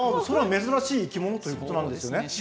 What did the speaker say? それは珍しい生き物ということなんですね。